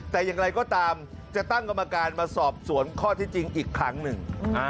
แต่อย่างไรก็ตามจะตั้งกรรมการมาสอบสวนข้อที่จริงอีกครั้งหนึ่ง